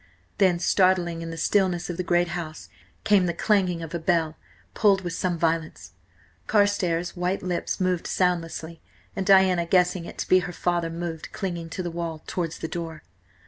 Then, startling in the stillness of the great house, came the clanging of a bell, pulled with some violence. Carstares' white lips moved soundlessly, and Diana, guessing it to be her father, moved, clinging to the wall, towards the door.